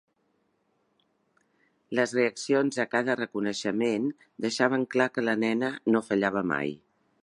Les reaccions a cada reconeixement deixaven clar que la nena no fallava mai.